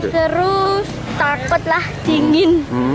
seru takut dingin